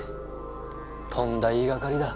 とんだ言いがかりだ。